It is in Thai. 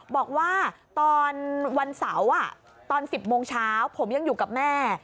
บอกว่าตอนวันเสาร์ตอน๑๐โมงเช้าผมยังอยู่กับแม่